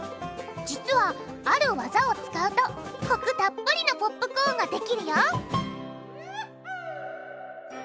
実はあるワザを使うとコクたっぷりのポップコーンができるよ！